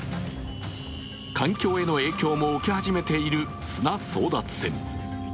環境への影響も起き始めている砂争奪戦。